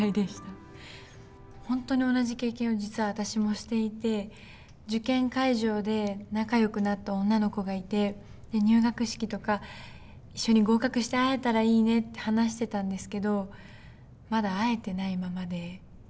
本当に同じ経験を実は私もしていて受験会場で仲よくなった女の子がいて入学式とか一緒に合格して会えたらいいねって話してたんですけどまだ会えてないままで。